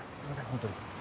本当に。